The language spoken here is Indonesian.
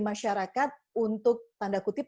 masyarakat untuk tanda kutip